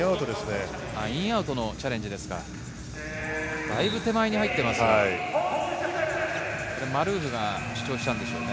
インアウトのチャレンジですだいぶ手前に入っていますね。